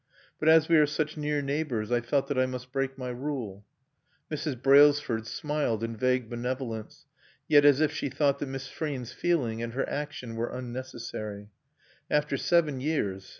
"But as we are such near neighbors I felt that I must break my rule." Mrs. Brailsford smiled in vague benevolence; yet as if she thought that Miss Frean's feeling and her action were unnecessary. After seven years.